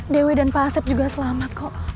dewi dan pak asep juga selamat kok